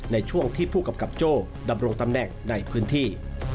ในช่วงที่ผู้กำกับโจ้ดำรงตำแหน่งในพื้นที่